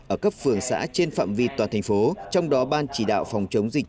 ở cấp phường xã trên phạm vi toàn thành phố trong đó ban chỉ đạo phòng chống dịch